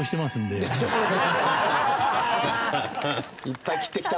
いっぱい斬ってきた。